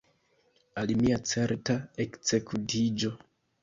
Al mia certa ekzekutiĝo!